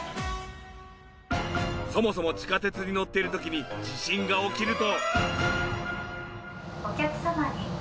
そもそも地下鉄に乗っている時に地震が起きると。